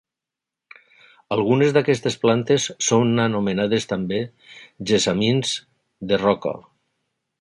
Algunes d'aquestes plantes són anomenades també gessamins de roca.